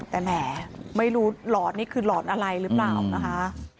แต่แหมไม่รู้หลอดนี่คือหลอนอะไรหรือเปล่านะคะ